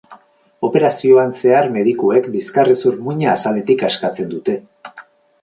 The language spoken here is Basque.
Operazioan zehar medikuek bizkarrezur muina azaletik askatzen dute.